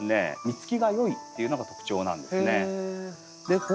実つきが良いっていうのが特徴なんですね。